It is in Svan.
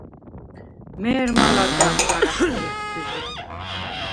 მე̄რმა ლადეღ გარ ა̈ხვტიხდ ჟი.